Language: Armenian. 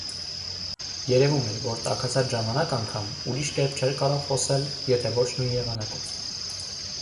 Երևում Էր, որ, տաքացած ժամանակ անգամ, ուրիշ կերպ չէր կարող խոսել, եթե ոչ նույն եղանակով: